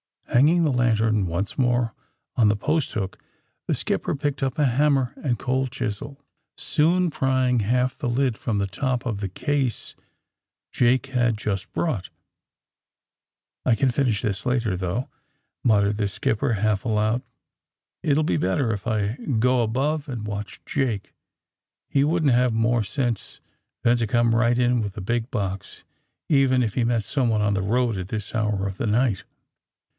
Hanging the lantern once more on the post hook, the skipper picked up a hammer and cold AND THE SMUGGLERS 87 cliisel, which he used with light taps of one against the other, soon prying half the lid from the top of the case Jake had just brought. ^^I can finish this later, though," muttered the skipper, half aloud. ^^It will be better if I go above and watch Jake. He wouldn't have more sense than to come right in with a big box even if he met someone on the road at this hour of the night.''